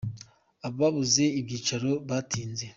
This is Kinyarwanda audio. Ababuze ibyicaro batinze